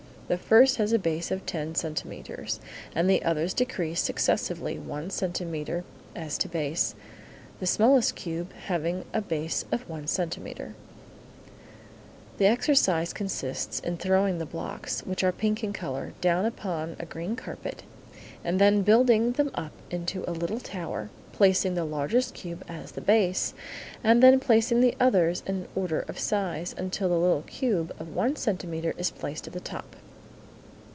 The first has a base of ten centimetres, and the others decrease, successively, one centimetre as to base, the smallest cube having a base of one centimetre. The exercise consists in throwing the blocks, which are pink in colour, down upon a green carpet, and then building them up into a little tower, placing the largest cube as the base, and then placing the others in order of size until the little cube of one centimetre is placed at the top.